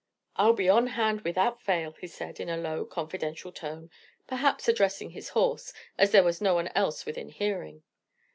"I'll be on hand without fail," he said, in a low, confidential tone, perhaps addressing his horse, as there was no one else within hearing.